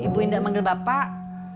ibu indah manggil bapak